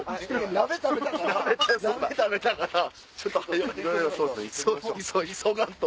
鍋食べたからちょっと急がんと。